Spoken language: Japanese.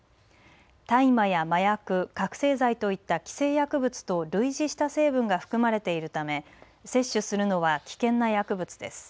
大麻や麻薬覚醒剤といった規制薬物と類似した成分が含まれているため摂取するのは危険な薬物です。